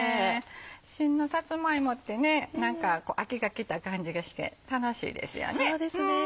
旬のさつま芋って何か秋が来た感じがして楽しいですよね。